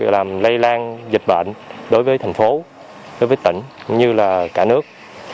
làm lây lan dịch bệnh đối với thành phố đối với tỉnh cũng như là cả nước